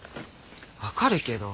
分かるけど。